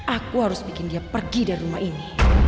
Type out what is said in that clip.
aku harus bikin dia pergi dari rumah ini